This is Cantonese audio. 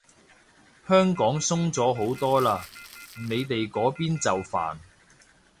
香港鬆咗好多嘞，你哋嗰邊就煩